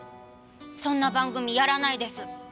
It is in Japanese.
そんな番組やらないです。